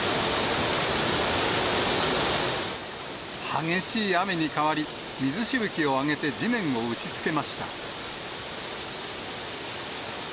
激しい雨に変わり、水しぶきを上げて地面を打ちつけました。